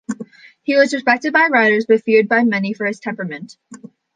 He was respected by riders but feared by many for his temperament.